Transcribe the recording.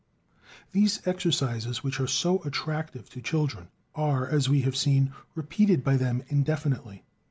These exercises, which are so attractive to children, are, as we have seen, repeated by them indefinitely.